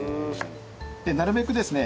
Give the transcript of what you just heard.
なるべくですね